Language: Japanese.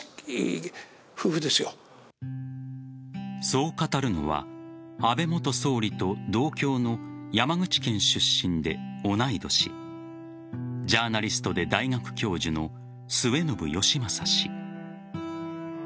そう語るのは安倍元総理と同郷の山口県出身で同い年ジャーナリストで大学教授の末延吉正氏。